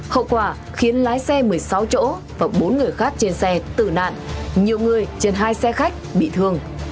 hậu quả khiến lái xe một mươi sáu chỗ và bốn người khác trên xe tử nạn nhiều người trên hai xe khách bị thương